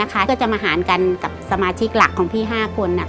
ก็จะมาหารกันกับสมาชิกหลักของพี่๕คน